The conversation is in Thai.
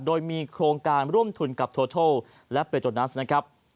โดยมีโครงการร่วมทุนกับโททัลและเปจดนัด